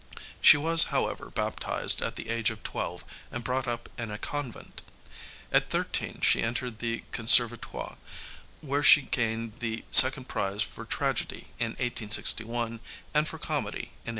She was, however, baptized at the age of twelve and brought up in a convent. At thirteen she entered the Conservatoire, where she gained the second prize for tragedy in 1861 and for comedy in 1862.